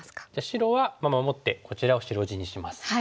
白は守ってこちらを白地にします。